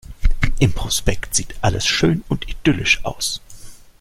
Im Prospekt sieht alles schön und idyllisch aus.